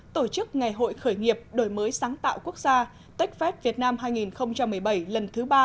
tổ chức ngày hội khởi nghiệp đổi mới sáng tạo quốc gia techfest việt nam hai nghìn một mươi bảy lần thứ ba